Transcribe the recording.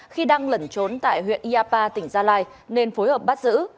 khi đang lẩn trốn tại huyện ia pa tỉnh gia lai nên phối hợp bắt giữ